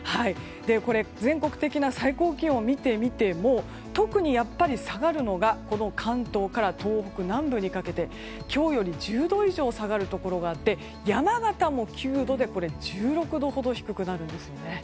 全国的な最高気温を見てみても特に下がるのが関東から東北南部にかけて今日より１０度以上下がるところがあって山形も９度で１６度ほど低くなるんですよね。